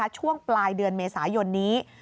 ช่วงปลายเดือนเมษายนนี้